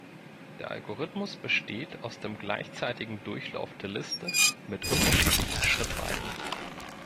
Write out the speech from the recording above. Der Algorithmus besteht aus dem gleichzeitigen Durchlauf der Liste mit unterschiedlichen Schrittweiten.